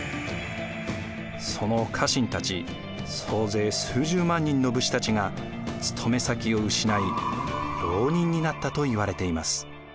その家臣たち総勢数十万人の武士たちが勤め先を失い牢人になったといわれています。